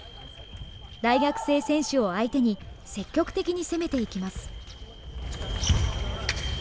大学生選手を相手に、積極的に攻めていきます。